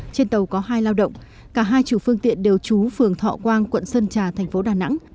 trên tàu có hai lao động cả hai chủ phương tiện đều trú phường thọ quang quận sơn trà thành phố đà nẵng